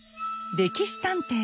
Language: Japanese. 「歴史探偵」